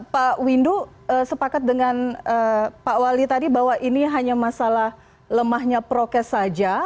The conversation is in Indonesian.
pak windu sepakat dengan pak wali tadi bahwa ini hanya masalah lemahnya prokes saja